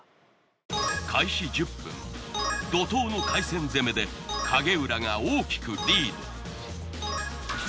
開始１０分怒涛の海鮮攻めで影浦が大きくリード。